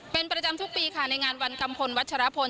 เป็นประจำทุกปีค่ะในงานวันกัมพลวัชรพล